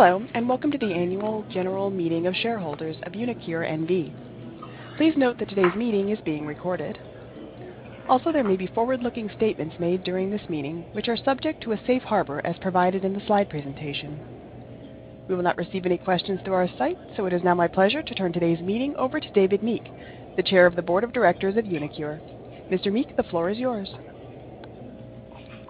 Hello, and Welcome to the Annual General Meeting of Shareholders of uniQure N.V. Please note that today's meeting is being recorded. Also, there may be forward-looking statements made during this meeting, which are subject to a safe harbor as provided in the slide presentation. We will not receive any questions through our site, so it is now my pleasure to turn today's meeting over to David Meek, the Chair of the Board of Directors at uniQure. Mr. Meek, the floor is yours.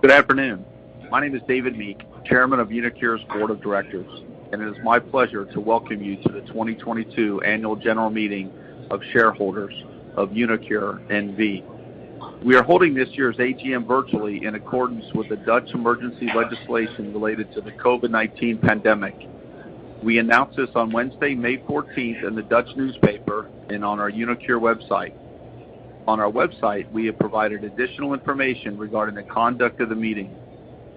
Good afternoon. My name is David Meek, Chairman of uniQure's Board of Directors, and it is my pleasure to welcome you to the 2022 Annual General Meeting of Shareholders of uniQure N.V. We are holding this year's AGM virtually in accordance with the Dutch emergency legislation related to the COVID-19 pandemic. We announced this on Wednesday, May 14th, in the Dutch newspaper and on our uniQure website. On our website, we have provided additional information regarding the conduct of the meeting.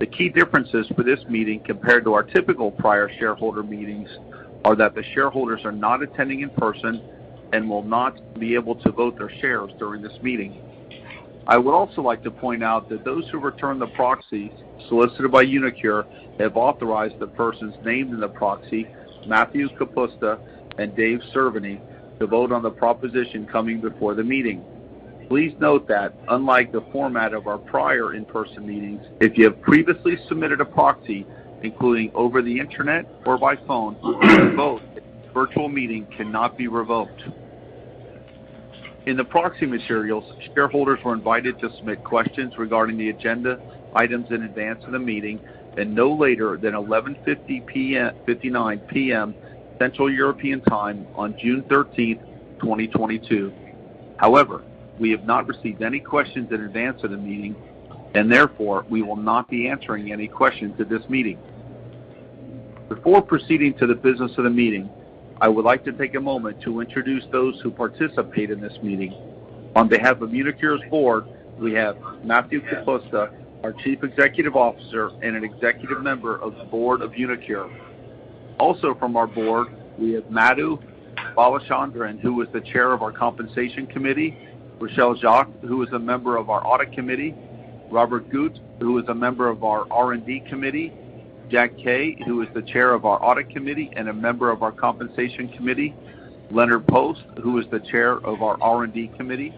The key differences for this meeting compared to our typical prior shareholder meetings are that the shareholders are not attending in person and will not be able to vote their shares during this meeting. I would also like to point out that those who return the proxy solicited by uniQure have authorized the persons named in the proxy, Matthew Kapusta and Dave Cerveny, to vote on the proposition coming before the meeting. Please note that unlike the format of our prior in-person meetings, if you have previously submitted a proxy, including over the Internet or by phone, your vote at this virtual meeting cannot be revoked. In the proxy materials, shareholders were invited to submit questions regarding the agenda items in advance of the meeting and no later than 11:59 P.M. Central European Time on June 13, 2022. However, we have not received any questions in advance of the meeting, and therefore, we will not be answering any questions at this meeting. Before proceeding to the business of the meeting, I would like to take a moment to introduce those who participate in this meeting. On behalf of uniQure's board, we have Matthew Kapusta, our Chief Executive Officer and an executive member of the Board of uniQure. Also, from our board, we have Madhu Balachandran, who is the Chair of our Compensation Committee, Rachelle Jacques, who is a member of our Audit Committee, Robert Guth, who is a member of our R&D Committee, Jack Kay, who is the Chair of our Audit Committee and a member of our Compensation Committee, Leonard Post, who is the Chair of our R&D Committee,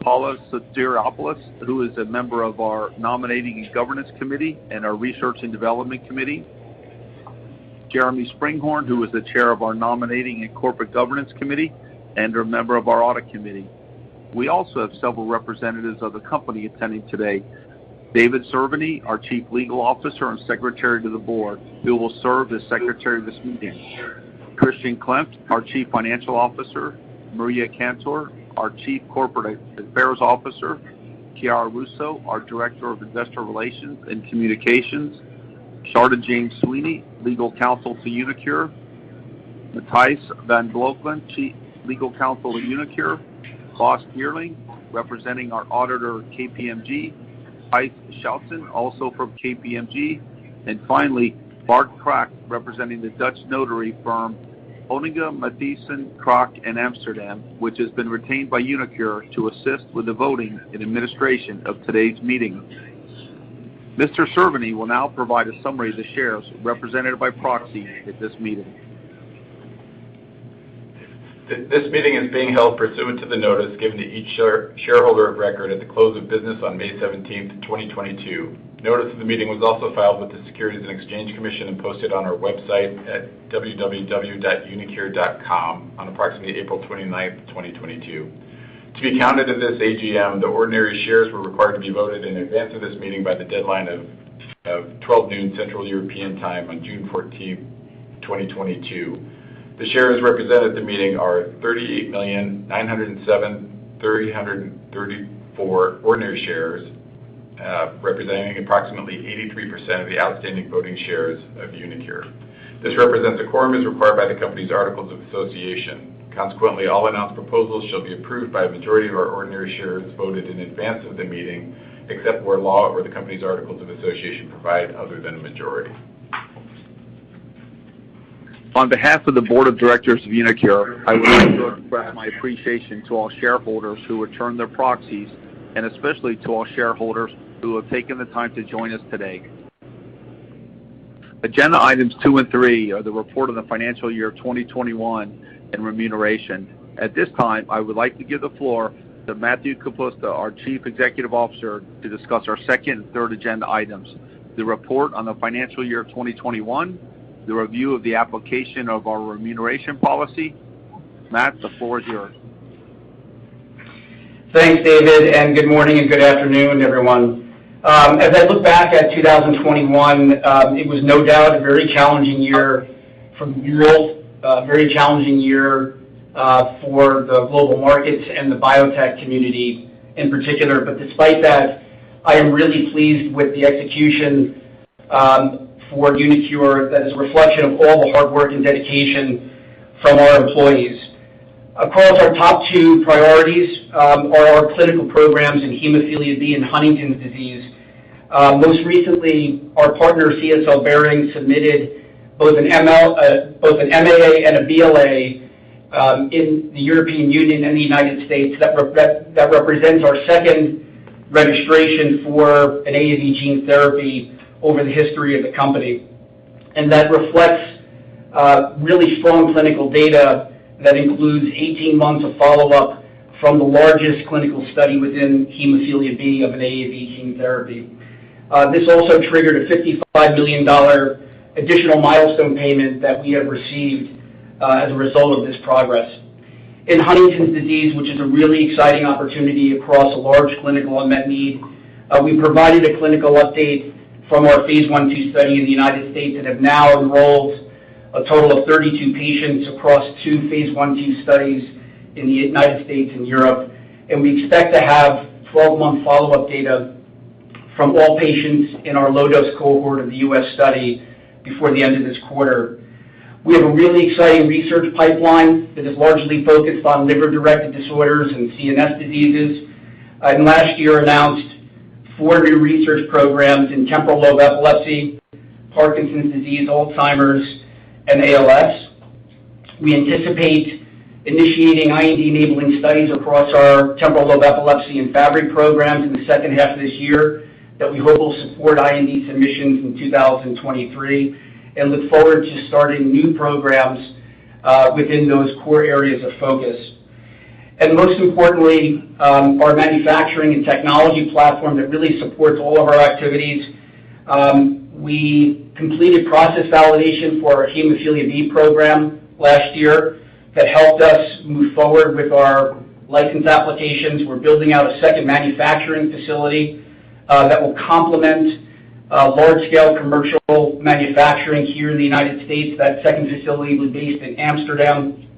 Paula Soteropoulos, who is a member of our Nominating and Governance Committee and our Research and Development Committee, Jeremy Springhorn, who is the Chair of our Nominating and Corporate Governance Committee and a member of our Audit Committee. We also have several representatives of the company attending today. David Cerveny, our Chief Legal Officer and Secretary to the Board, who will serve as Secretary of this meeting. Christian Klemt, our Chief Financial Officer. Maria Cantor, our Chief Corporate Affairs Officer. Chiara Russo, our Director of Investor Relations and Communications. Charlotte Jane Sweeney, Legal Counsel to uniQure. Matthijs van Logeren, Chief Legal Counsel at uniQure. Bas Geerling, representing our auditor KPMG. Gijs Schouten, also from KPMG. And finally, Bart Kock, representing the Dutch notary firm, Oostinga, Matthijssen & Kock in Amsterdam, which has been retained by uniQure to assist with the voting and administration of today's meeting. Mr. Cerveny will now provide a summary of the shares represented by proxy at this meeting. This meeting is being held pursuant to the notice given to each shareholder of record at the close of business on May 17th, 2022. Notice of the meeting was also filed with the Securities and Exchange Commission and posted on our website at www.uniqure.com on approximately April twenty-ninth, 2022. To be counted at this AGM, the ordinary shares were required to be voted in advance of this meeting by the deadline of twelve noon Central European Time on June fourteenth, 2022. The shares represented at the meeting are 38,907,334 ordinary shares, representing approximately 83% of the outstanding voting shares of uniQure. This represents a quorum as required by the company's articles of association. Consequently, all announced proposals shall be approved by a majority of our ordinary shares voted in advance of the meeting, except where law or the company's articles of association provide other than a majority. On behalf of the Board of Directors of uniQure, I would like to express my appreciation to all shareholders who returned their proxies and especially to all shareholders who have taken the time to join us today. Agenda items two and three are the report on the financial year of 2021 and remuneration. At this time, I would like to give the floor to Matthew Kapusta, our Chief Executive Officer, to discuss our second and third agenda items, the report on the financial year of 2021, the review of the application of our remuneration policy. Matt, the floor is yours. Thanks, David, and good morning and good afternoon, everyone. As I look back at 2021, it was no doubt a very challenging year on multiple fronts for the global markets and the biotech community in particular. Despite that, I am really pleased with the execution for uniQure that is a reflection of all the hard work and dedication from our employees. Across our top two priorities are our clinical programs in hemophilia B and Huntington's disease. Most recently, our partner, CSL Behring, submitted both an MAA and a BLA in the European Union and the United States. That represents our second registration for an AAV gene therapy over the history of the company. That reflects really strong clinical data that includes 18 months of follow-up from the largest clinical study within hemophilia B of an AAV gene therapy. This also triggered a $55 million additional milestone payment that we have received as a result of this progress. In Huntington's disease, which is a really exciting opportunity across a large clinical unmet need, we provided a clinical update from our phase I, phase II study in the United States, and have now enrolled a total of 32 patients across two phase I, phase II studies in the United States and Europe. We expect to have 12-month follow-up data from all patients in our low-dose cohort of the U.S. study before the end of this quarter. We have a really exciting research pipeline that is largely focused on liver-directed disorders and CNS diseases, and last year announced four new research programs in temporal lobe epilepsy, Parkinson's disease, Alzheimer's, and ALS. We anticipate initiating IND-enabling studies across our temporal lobe epilepsy and Fabry programs in the second half of this year that we hope will support IND submissions in 2023, and look forward to starting new programs within those core areas of focus. Most importantly, our manufacturing and technology platform that really supports all of our activities. We completed process validation for our hemophilia B program last year that helped us move forward with our license applications. We're building out a second manufacturing facility that will complement large-scale commercial manufacturing here in the United States. That second facility will be based in Amsterdam,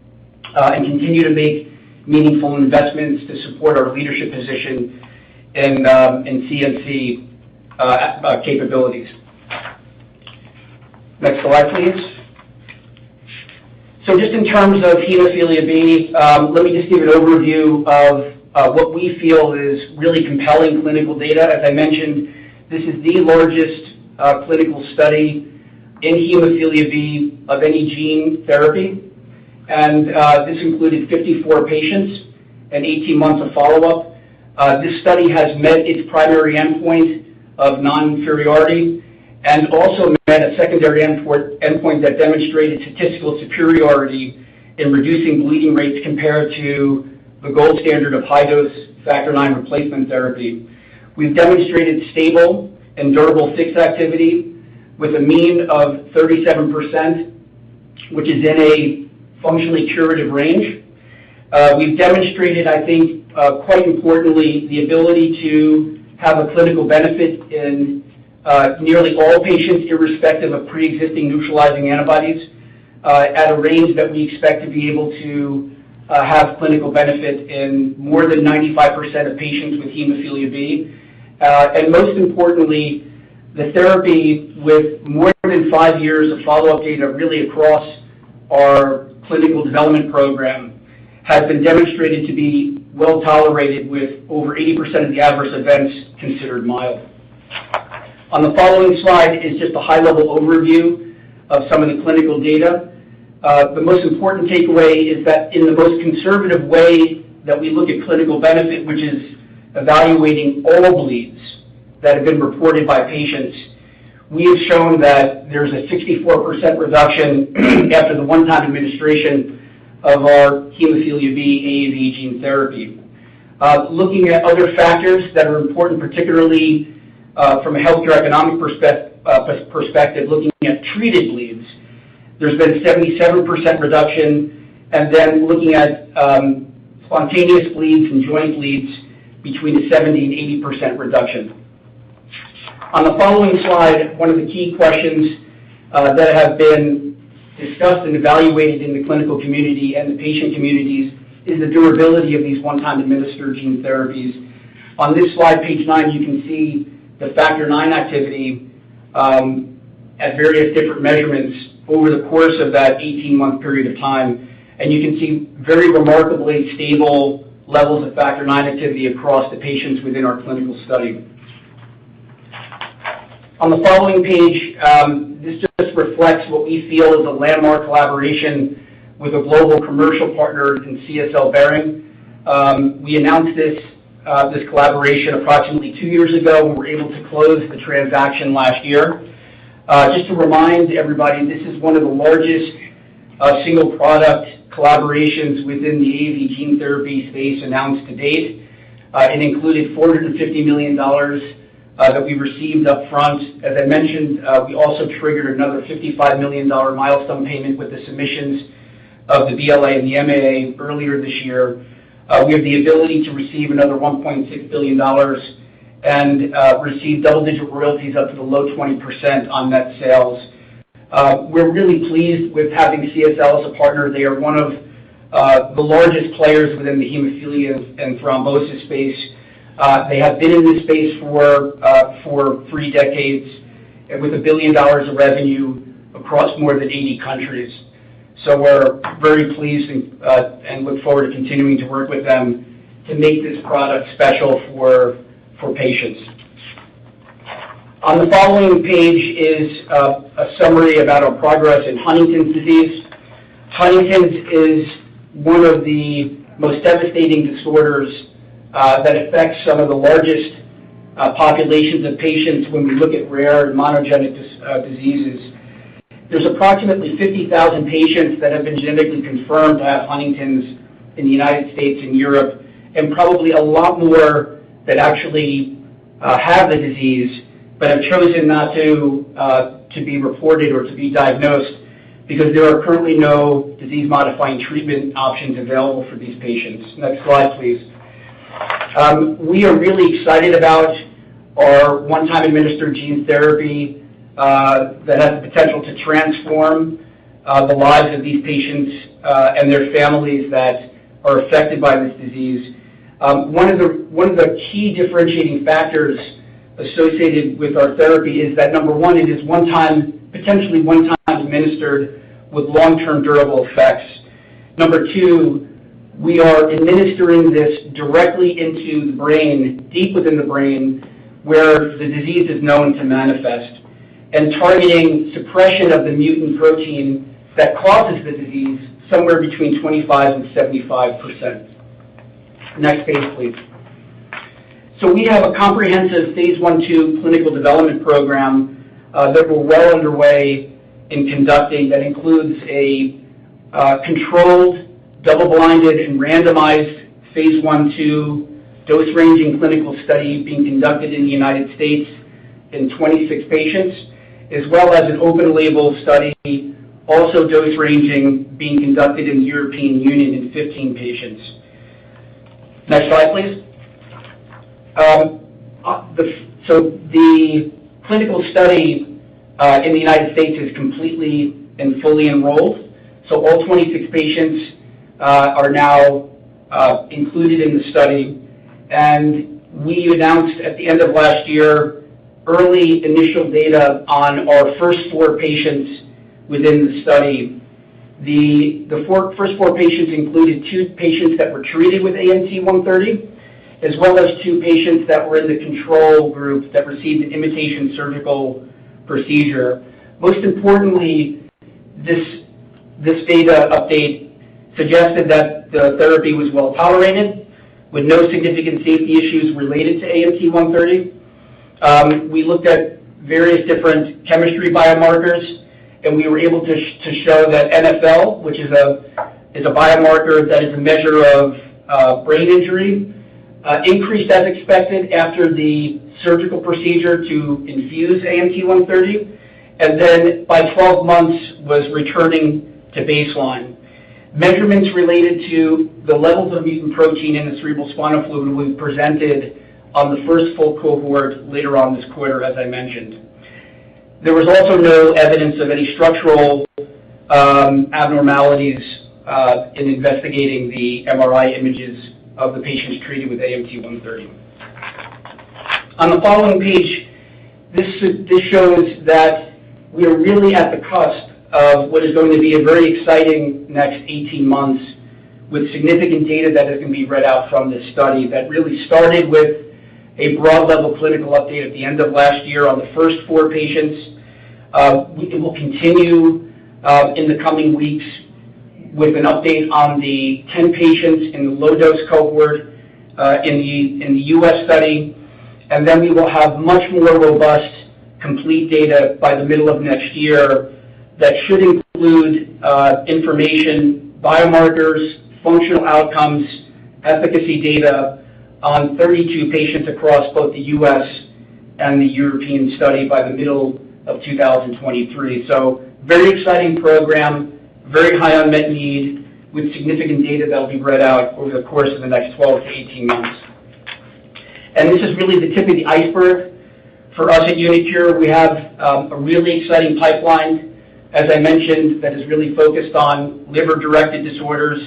and continue to make meaningful investments to support our leadership position in CMC, capabilities. Next slide, please. Just in terms of hemophilia B, let me just give an overview of, what we feel is really compelling clinical data. As I mentioned, this is the largest, clinical study in hemophilia B of any gene therapy, and, this included 54 patients and 18 months of follow-up. This study has met its primary endpoint of non-inferiority and also met a secondary endpoint that demonstrated statistical superiority in reducing bleeding rates compared to the gold standard of high-dose factor IX replacement therapy. We've demonstrated stable and durable FIX activity with a mean of 37%, which is in a functionally curative range. We've demonstrated, I think, quite importantly, the ability to have a clinical benefit in nearly all patients, irrespective of preexisting neutralizing antibodies, at a range that we expect to be able to have clinical benefit in more than 95% of patients with hemophilia B. Most importantly, the therapy with more than five years of follow-up data really across our clinical development program, has been demonstrated to be well-tolerated, with over 80% of the adverse events considered mild. On the following slide is just a high-level overview of some of the clinical data. The most important takeaway is that in the most conservative way that we look at clinical benefit, which is evaluating all bleeds that have been reported by patients, we have shown that there's a 64% reduction after the one-time administration of our hemophilia B AAV gene therapy. Looking at other factors that are important, particularly, from a healthcare economic perspective, looking at treated bleeds, there's been a 77% reduction. Then looking at spontaneous bleeds and joint bleeds between a 70%-80% reduction. On the following slide, one of the key questions that have been discussed and evaluated in the clinical community and the patient communities is the durability of these one-time administered gene therapies. On this slide, page nine, you can see the factor nine activity at various different measurements over the course of that 18-month period of time, and you can see very remarkably stable levels of factor nine activity across the patients within our clinical study. On the following page, this just reflects what we feel is a landmark collaboration with a global commercial partner in CSL Behring. We announced this collaboration approximately two years ago. We were able to close the transaction last year. Just to remind everybody, this is one of the largest single product collaborations within the AAV gene therapy space announced to date. It included $450 million that we received upfront. As I mentioned, we also triggered another $55 million milestone payment with the submissions of the BLA and the MAA earlier this year. We have the ability to receive another $1.6 billion and receive double-digit royalties up to the low 20% on net sales. We're really pleased with having CSL as a partner. They are one of the largest players within the hemophilia and thrombosis space. They have been in this space for three decades and with $1 billion of revenue across more than 80 countries. We're very pleased and look forward to continuing to work with them to make this product special for patients. On the following page is a summary about our progress in Huntington's disease. Huntington's is one of the most devastating disorders that affects some of the largest populations of patients when we look at rare monogenic diseases. There's approximately 50,000 patients that have been genetically confirmed to have Huntington's in the United States and Europe, and probably a lot more that actually have the disease but have chosen not to be reported or to be diagnosed because there are currently no disease-modifying treatment options available for these patients. Next slide, please. We are really excited about our one-time administered gene therapy that has the potential to transform the lives of these patients and their families that are affected by this disease. One of the key differentiating factors associated with our therapy is that, number one, it is one time, potentially one time administered with long-term durable effects. Number two, we are administering this directly into the brain, deep within the brain, where the disease is known to manifest, and targeting suppression of the mutant protein that causes the disease somewhere between 25% and 75%. Next page, please. We have a comprehensive phase 1/2 clinical development program that we're well underway in conducting. That includes a controlled, double-blinded, and randomized phase I/phase II dose-ranging clinical study being conducted in the United States in 26 patients, as well as an open-label study, also dose ranging, being conducted in the European Union in 15 patients. Next slide, please. The clinical study in the United States is completely and fully enrolled. All 26 patients are now included in the study. We announced at the end of last year early initial data on our first four patients within the study. The first four patients included two patients that were treated with AMT-130, as well as two patients that were in the control group that received an imitation surgical procedure. Most importantly, this data update suggested that the therapy was well-tolerated with no significant safety issues related to AMT-130. We looked at various different biochemical biomarkers, and we were able to show that NfL, which is a biomarker that is a measure of brain injury, increased as expected after the surgical procedure to infuse AMT-130, and then by 12 months was returning to baseline. Measurements related to the levels of mutant protein in the cerebrospinal fluid will be presented on the first full cohort later on this quarter, as I mentioned. There was also no evidence of any structural abnormalities in investigating the MRI images of the patients treated with AMT-130. On the following page, this shows that we are really at the cusp of what is going to be a very exciting next 18 months with significant data that is going to be read out from this study that really started with a broad-level clinical update at the end of last year on the first four patients. It will continue in the coming weeks with an update on the 10 patients in the low-dose cohort in the U.S. study. Then we will have much more robust complete data by the middle of next year that should include information, biomarkers, functional outcomes, efficacy data on 32 patients across both the U.S. and the European study by the middle of 2023. Very exciting program, very high unmet need with significant data that will be read out over the course of the next 12-18 months. This is really the tip of the iceberg for us at uniQure. We have a really exciting pipeline, as I mentioned, that is really focused on liver-directed disorders,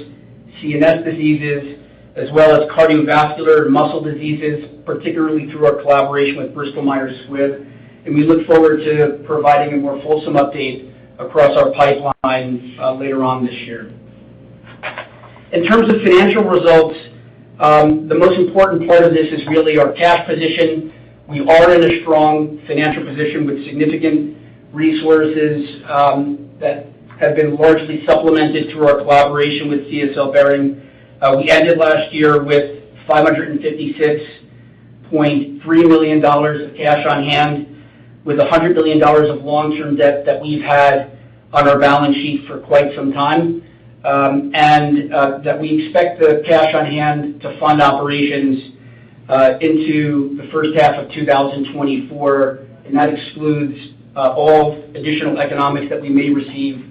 CNS diseases, as well as cardiovascular and muscle diseases, particularly through our collaboration with Bristol Myers Squibb. We look forward to providing a more fulsome update across our pipeline later on this year. In terms of financial results, the most important part of this is really our cash position. We are in a strong financial position with significant resources that have been largely supplemented through our collaboration with CSL Behring. We ended last year with $556.3 million of cash on hand with $100 million of long-term debt that we've had on our balance sheet for quite some time that we expect the cash on hand to fund operations into the first half of 2024, and that excludes all additional economics that we may receive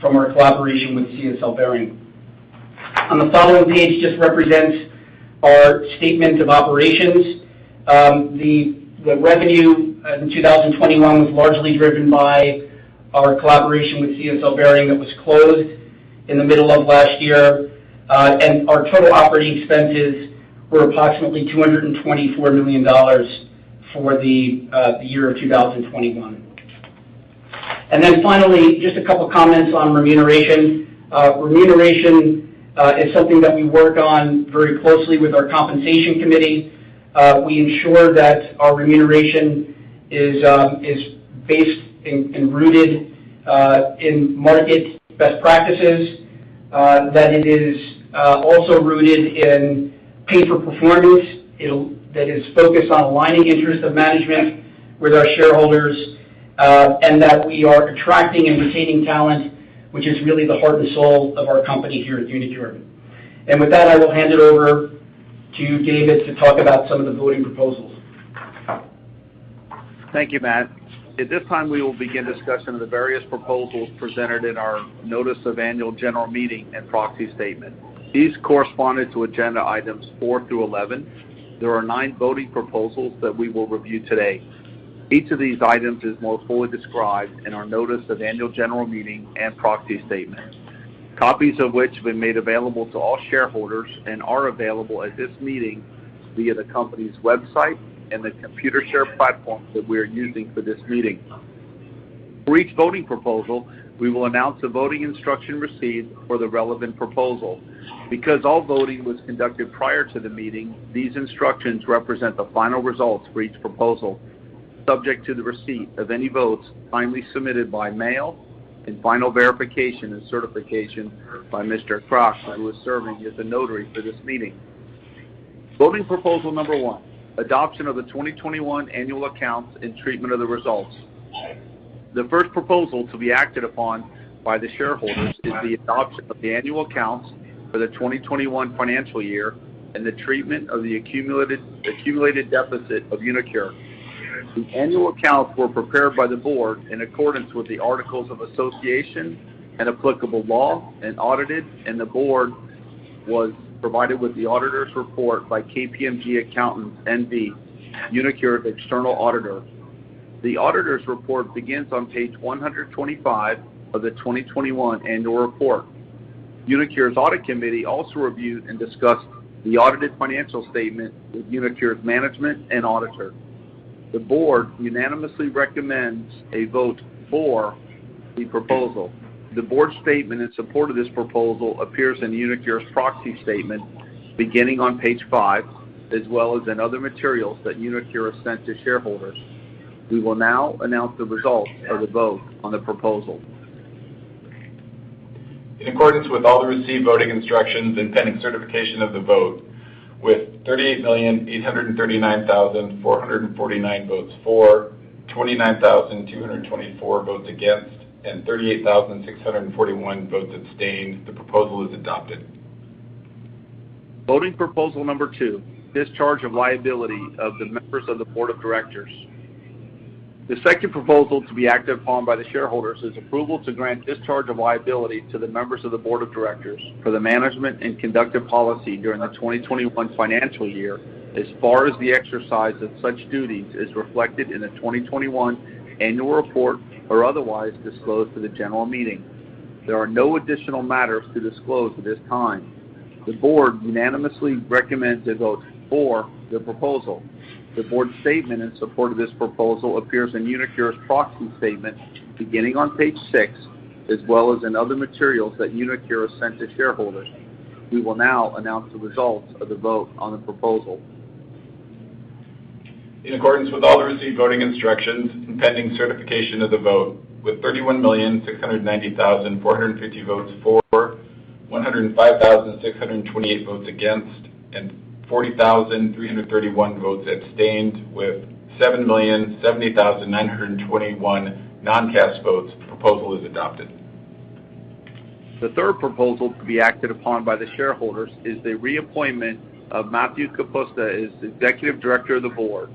from our collaboration with CSL Behring. On the following page just represents our statement of operations. The revenue in 2021 was largely driven by our collaboration with CSL Behring that was closed in the middle of last year. Our total operating expenses were approximately $224 million for the year of 2021. Finally, just a couple of comments on remuneration. Remuneration is something that we work on very closely with our compensation committee. We ensure that our remuneration is based and rooted in market best practices. That it is also rooted in pay for performance. That is focused on aligning interest of management with our shareholders, and that we are attracting and retaining talent, which is really the heart and soul of our company here at uniQure. With that, I will hand it over to David Meek to talk about some of the voting proposals. Thank you, Matt. At this time, we will begin discussing the various proposals presented in our notice of annual general meeting and proxy statement. These corresponded to agenda items four through 11. There are nine voting proposals that we will review today. Each of these items is more fully described in our notice of annual general meeting and proxy statement. Copies of which we made available to all shareholders and are available at this meeting via the company's website and the Computershare platform that we are using for this meeting. For each voting proposal, we will announce the voting instruction received for the relevant proposal. Because all voting was conducted prior to the meeting, these instructions represent the final results for each proposal, subject to the receipt of any votes finally submitted by mail and final verification and certification by Mr. Kock, who is serving as the notary for this meeting. Voting proposal number one, adoption of the 2021 annual accounts and treatment of the results. The first proposal to be acted upon by the shareholders is the adoption of the annual accounts for the 2021 financial year and the treatment of the accumulated deficit of uniQure. The annual accounts were prepared by the board in accordance with the Articles of Association and applicable law and audited, and the board was provided with the auditor's report by KPMG Accountants N.V., uniQure's external auditor. The auditor's report begins on page 125 of the 2021 annual report. uniQure's Audit Committee also reviewed and discussed the audited financial statement with uniQure's management and auditor. The board unanimously recommends a vote for the proposal. The board statement in support of this proposal appears in uniQure's proxy statement beginning on page five, as well as in other materials that uniQure has sent to shareholders. We will now announce the results of the vote on the proposal. I n accordance with all the received voting instructions and pending certification of the vote, with 38,839,449 votes for, 29,224 votes against, and 38,641 votes abstained, the proposal is adopted. Voting proposal number two, discharge of liability of the members of the Board of Directors. The second proposal to be acted upon by the shareholders is approval to grant discharge of liability to the members of the Board of Directors for the management and conduct of policy during the 2021 financial year, as far as the exercise of such duties is reflected in the 2021 annual report or otherwise disclosed to the general meeting. There are no additional matters to disclose at this time. The Board unanimously recommends a vote for the proposal. The Board statement in support of this proposal appears in uniQure's proxy statement beginning on page six, as well as in other materials that uniQure has sent to shareholders. We will now announce the results of the vote on the proposal. In accordance with all the received voting instructions and pending certification of the vote, with 31,690,450 votes for, 105,628 votes against, and 40,331 votes abstained, with 7,070,921 non-cast votes, the proposal is adopted. The third proposal to be acted upon by the shareholders is the reappointment of Matthew Kapusta as Executive Director of the Board.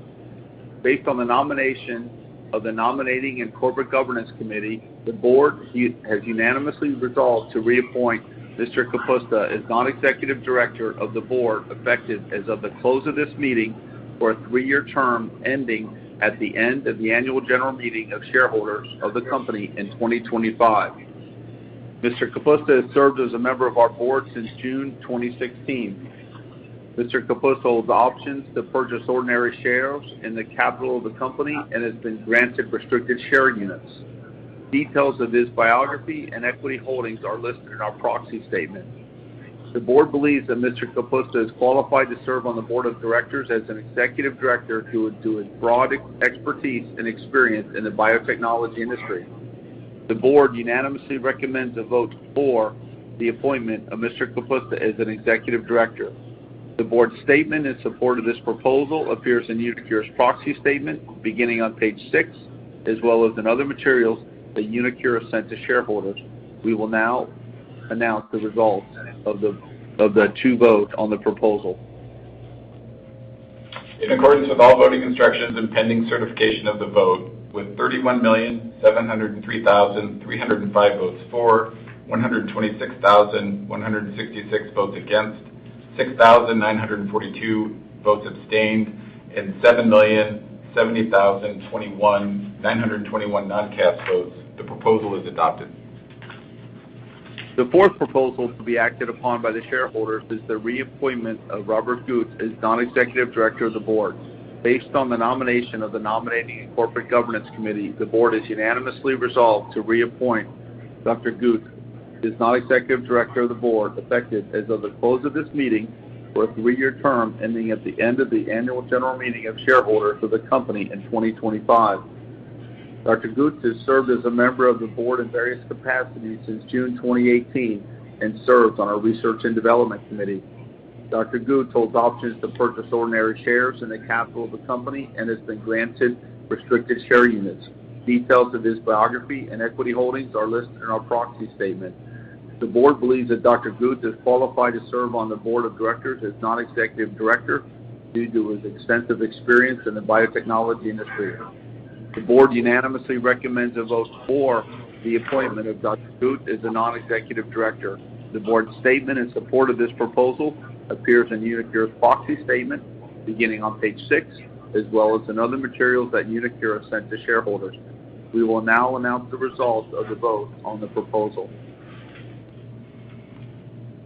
Based on the nomination of the Nominating and Corporate Governance Committee, the board has unanimously resolved to reappoint Mr. Kapusta as Non-Executive Director of the Board, effective as of the close of this meeting for a three-year term ending at the end of the annual general meeting of shareholders of the company in 2025. Mr. Kapusta has served as a member of our board since June 2016. Mr. Kapusta holds options to purchase ordinary shares in the capital of the company and has been granted restricted share units. Details of his biography and equity holdings are listed in our proxy statement. The board believes that Mr. Kapusta is qualified to serve on the board of directors as an executive director due to his broad expertise and experience in the biotechnology industry. The board unanimously recommends a vote for the appointment of Mr. Kapusta as an executive director. The board statement in support of this proposal appears in uniQure's proxy statement beginning on page 6, as well as in other materials that uniQure has sent to shareholders. We will now announce the results of the two votes on the proposal. In accordance with all voting instructions and pending certification of the vote, with 31,703,305 votes for, 126,166 votes against, 6,942 votes abstained, and 7,070,921 non-cast votes, the proposal is adopted. The fourth proposal to be acted upon by the shareholders is the reappointment of Robert Guth as non-executive director of the board. Based on the nomination of the Nominating and Corporate Governance Committee, the board has unanimously resolved to reappoint Dr. Guth as non-executive director of the board, effective as of the close of this meeting for a three-year term ending at the end of the annual general meeting of shareholders of the company in 2025. Dr. Guth has served as a member of the board in various capacities since June 2018 and serves on our Research and Development Committee. Dr. Guth holds options to purchase ordinary shares in the capital of the company and has been granted restricted share units. Details of his biography and equity holdings are listed in our proxy statement. The board believes that Dr. Guth is qualified to serve on the board of directors as non-executive director due to his extensive experience in the biotechnology industry. The board unanimously recommends a vote for the appointment of Dr. Guth as a non-executive director. The board's statement in support of this proposal appears in uniQure's proxy statement beginning on page 6, as well as in other materials that uniQure sent to shareholders. We will now announce the results of the vote on the proposal.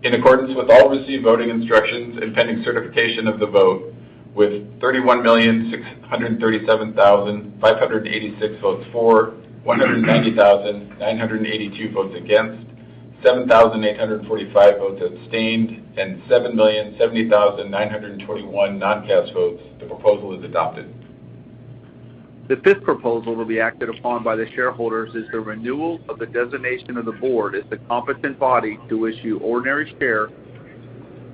In accordance with all received voting instructions and pending certification of the vote with 31,637,586 votes for, 190,982 votes against, 7,845 votes abstained, and 7,070,921 non-cast votes, the proposal is adopted. The fifth proposal to be acted upon by the shareholders is the renewal of the designation of the board as the competent body to issue ordinary shares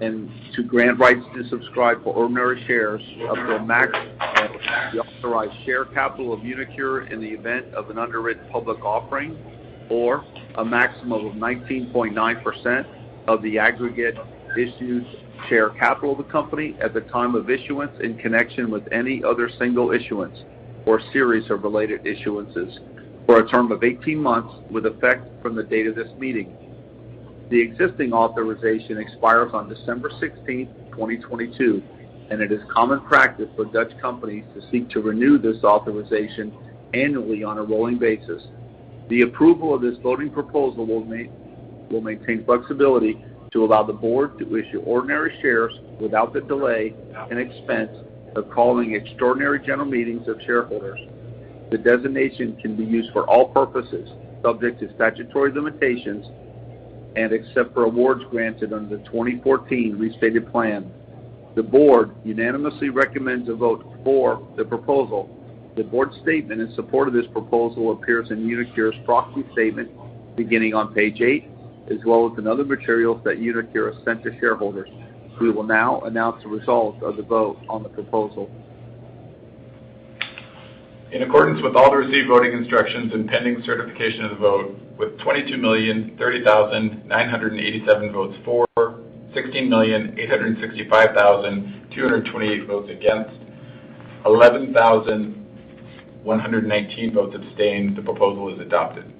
and to grant rights to subscribe for ordinary shares up to a max of the authorized share capital of uniQure in the event of an underwritten public offering or a maximum of 19.9% of the aggregate issued share capital of the company at the time of issuance in connection with any other single issuance or series of related issuances for a term of 18 months with effect from the date of this meeting. The existing authorization expires on December sixteenth, 2022, and it is common practice for Dutch companies to seek to renew this authorization annually on a rolling basis. The approval of this voting proposal will maintain flexibility to allow the board to issue ordinary shares without the delay and expense of calling extraordinary general meetings of shareholders. The designation can be used for all purposes, subject to statutory limitations and except for awards granted under the 2014 Share Incentive Plan. The board unanimously recommends a vote for the proposal. The board's statement in support of this proposal appears in uniQure's proxy statement beginning on page eight, as well as in other materials that uniQure sent to shareholders. We will now announce the results of the vote on the proposal. In accordance with all the received voting instructions and pending certification of the vote, with 22,030,987 votes for, 16,865,228 votes against, 11,119 votes abstained, the proposal is adopted.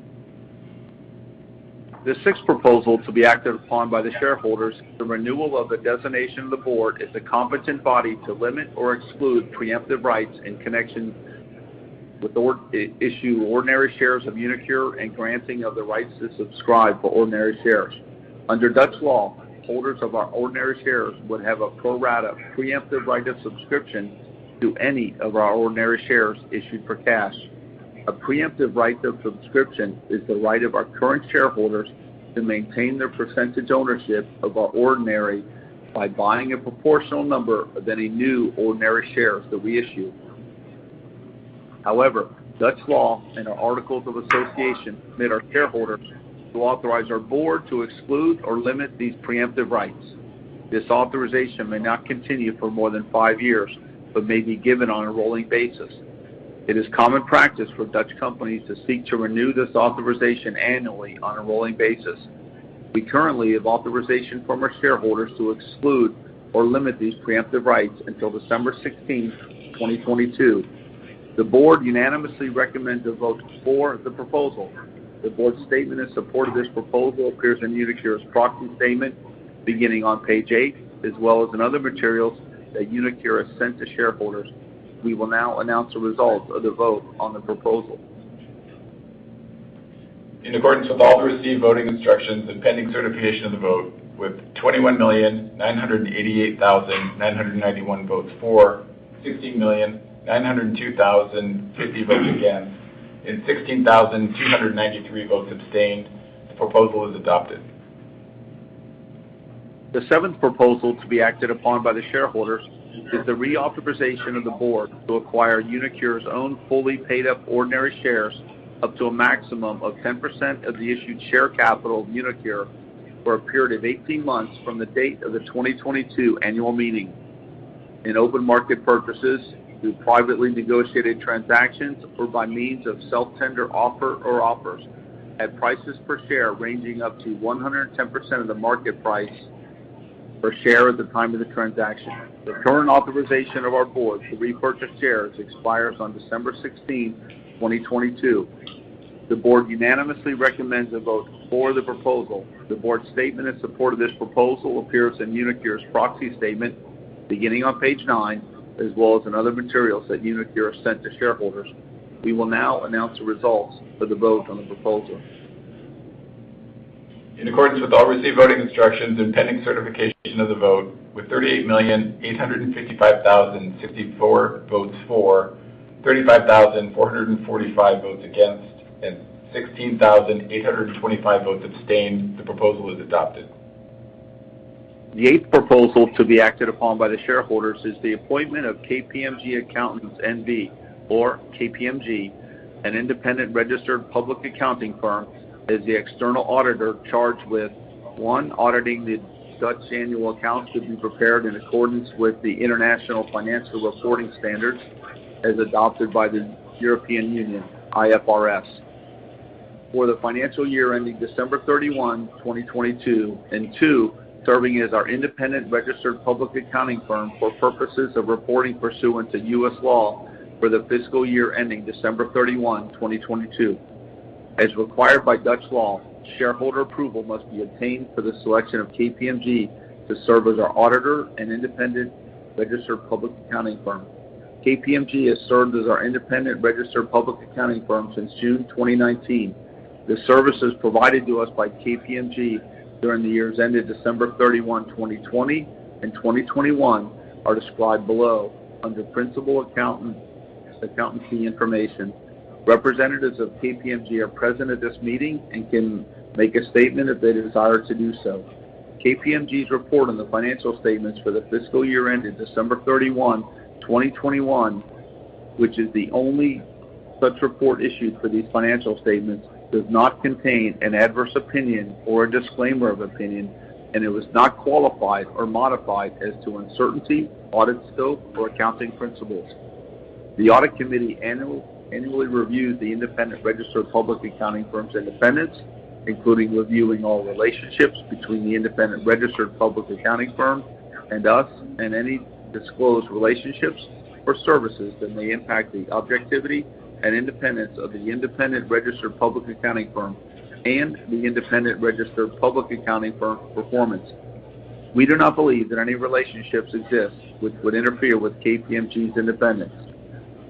The sixth proposal to be acted upon by the shareholders is the renewal of the designation of the board as a competent body to limit or exclude preemptive rights in connection with the issuance of ordinary shares of uniQure and granting of the rights to subscribe for ordinary shares. Under Dutch law, holders of our ordinary shares would have a pro rata preemptive right of subscription to any of our ordinary shares issued for cash. A preemptive right of subscription is the right of our current shareholders to maintain their percentage ownership of our ordinary shares by buying a proportional number of any new ordinary shares that we issue. However, Dutch law and our articles of association permit our shareholders to authorize our board to exclude or limit these preemptive rights. This authorization may not continue for more than five years but may be given on a rolling basis. It is common practice for Dutch companies to seek to renew this authorization annually on a rolling basis. We currently have authorization from our shareholders to exclude or limit these preemptive rights until December 16th, 2022. The board unanimously recommends a vote for the proposal. The board's statement in support of this proposal appears in uniQure's proxy statement beginning on page eight, as well as in other materials that uniQure has sent to shareholders. We will now announce the results of the vote on the proposal. In accordance with all the received voting instructions and pending certification of the vote, with 21,988,991 votes for, 16,902,050 votes against, and 16,293 votes abstained, the proposal is adopted. The seventh proposal to be acted upon by the shareholders is the reauthorization of the board to acquire uniQure's own fully paid-up ordinary shares up to a maximum of 10% of the issued share capital of uniQure for a period of 18 months from the date of the 2022 annual meeting in open market purchases through privately negotiated transactions or by means of self-tender offer or offers at prices per share ranging up to 110% of the market price per share at the time of the transaction. The current authorization of our board to repurchase shares expires on December sixteenth, 2022. The board unanimously recommends a vote for the proposal. The board's statement in support of this proposal appears in uniQure's proxy statement beginning on page nine, as well as in other materials that uniQure sent to shareholders. We will now announce the results of the vote on the proposal. In accordance with all received voting instructions and pending certification of the vote, with 38,855,064 votes for, 35,445 votes against, and 16,825 votes abstained, the proposal is adopted. The eighth proposal to be acted upon by the shareholders is the appointment of KPMG Accountants N.V. or KPMG, an independent registered public accounting firm, as the external auditor charged with, one, auditing the Dutch annual accounts to be prepared in accordance with the International Financial Reporting Standards as adopted by the European Union, IFRS. For the financial year ending December 31, 2022, and two, serving as our independent registered public accounting firm for purposes of reporting pursuant to U.S. law for the fiscal year ending December 31, 2022. As required by Dutch law, shareholder approval must be obtained for the selection of KPMG to serve as our auditor and independent registered public accounting firm. KPMG has served as our independent registered public accounting firm since June 2019. The services provided to us by KPMG during the years ending December 31, 2020 and 2021 are described below under Principal Accountant Fees and Services. Representatives of KPMG are present at this meeting and can make a statement if they desire to do so. KPMG's report on the financial statements for the fiscal year ending December 31, 2021, which is the only such report issued for these financial statements, does not contain an adverse opinion or a disclaimer of opinion, and it was not qualified or modified as to uncertainty, audit scope, or accounting principles. The audit committee annually reviewed the independent registered public accounting firm's independence, including reviewing all relationships between the independent registered public accounting firm and us, and any disclosed relationships or services that may impact the objectivity and independence of the independent registered public accounting firm and the firm's performance. We do not believe that any relationships exist which would interfere with KPMG's independence.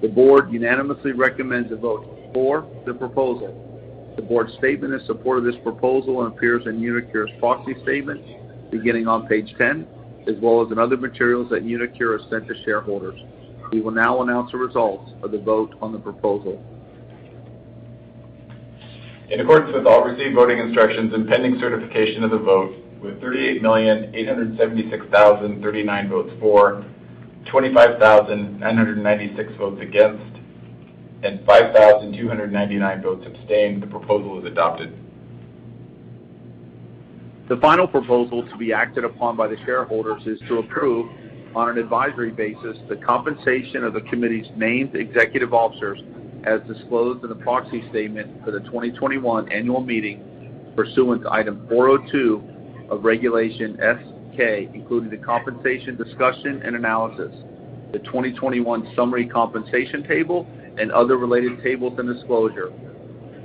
The board unanimously recommends a vote for the proposal. The board's statement in support of this proposal appears in uniQure's proxy statement beginning on page 10, as well as in other materials that uniQure has sent to shareholders. We will now announce the results of the vote on the proposal. In accordance with all received voting instructions and pending certification of the vote, with 38,876,039 votes for, 25,996 votes against, and 5,299 votes abstained, the proposal is adopted. The final proposal to be acted upon by the shareholders is to approve on an advisory basis the compensation of the committee's named executive officers as disclosed in the proxy statement for the 2021 annual meeting pursuant to item 402 of Regulation S-K, including the compensation discussion and analysis, the 2021 summary compensation table, and other related tables and disclosure.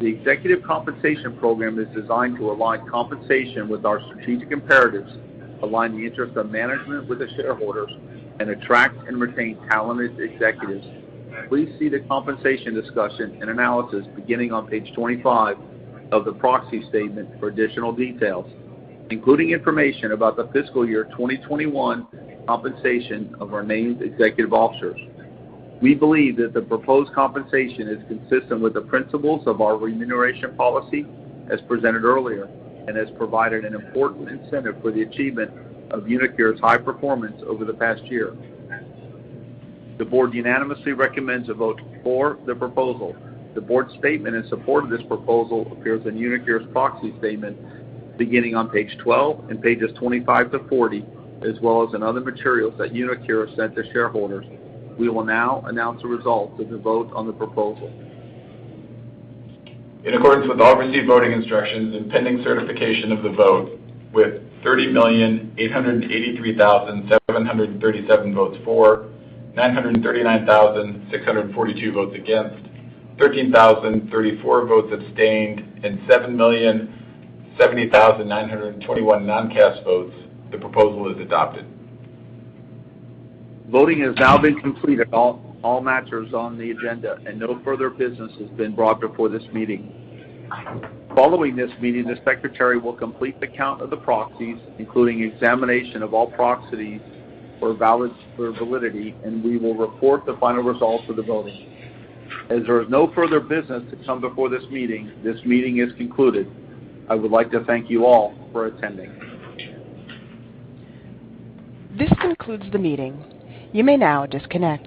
The executive compensation program is designed to align compensation with our strategic imperatives, align the interest of management with the shareholders, and attract and retain talented executives. Please see the compensation discussion and analysis beginning on page 25 of the proxy statement for additional details, including information about the fiscal year 2021 compensation of our named executive officers. We believe that the proposed compensation is consistent with the principles of our remuneration policy as presented earlier and has provided an important incentive for the achievement of uniQure's high performance over the past year. The board unanimously recommends a vote for the proposal. The board's statement in support of this proposal appears in uniQure's proxy statement beginning on page 12 and pages 25-40, as well as in other materials that uniQure sent to shareholders. We will now announce the results of the vote on the proposal. In accordance with all received voting instructions and pending certification of the vote, with 30,883,737 votes for, 939,642 votes against, 13,034 votes abstained, and 7,070,921 non-cast votes, the proposal is adopted. Voting has now been completed on all matters on the agenda, and no further business has been brought before this meeting. Following this meeting, the secretary will complete the count of the proxies, including examination of all proxies for validity, and we will report the final results of the voting. As there is no further business to come before this meeting, this meeting is concluded. I would like to thank you all for attending. This concludes the meeting. You may now disconnect.